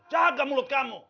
jaga mulut kamu